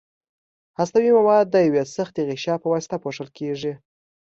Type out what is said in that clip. هستوي مواد د یوې سختې غشا په واسطه پوښل کیږي.